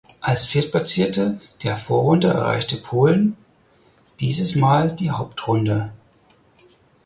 Als Viertplatzierte der Vorrunde erreichte Polen dieses Mal die Hauptrunde.